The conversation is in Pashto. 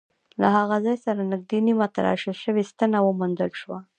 له هغه ځای سره نږدې نیمه تراشل شوې ستنه وموندل شوه.